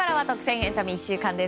エンタメ１週間です。